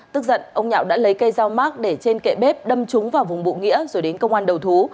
tức giận ông nho đã lấy cây dao mát để trên kệ bếp đâm trúng vào vùng bụng nghĩa rồi đến công an đầu thú